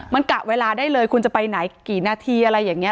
มันกะเวลาได้เลยคุณจะไปไหนกี่นาทีอะไรอย่างนี้